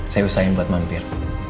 saya usahain buat mampir